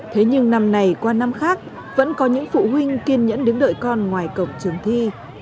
thế nhưng năm nay qua năm khác vẫn có những phụ huynh kiên nhẫn đứng đợi con ngoài cổng trường thi